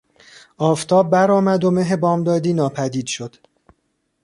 آفتاب برآمد و مه بامدادی ناپدید شد.